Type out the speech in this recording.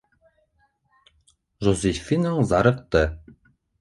Жозефинаң зарыҡты.